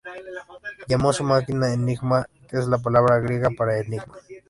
Llamó a su máquina Enigma, que es la palabra griega para "enigma".